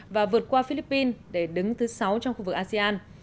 và vượt qua philippines để đứng thứ sáu trong khu vực asean